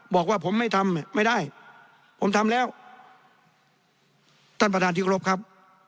บอกว่าผมไม่ทำไม่ได้ผมทำแล้วท่านประธานที่กรบครับ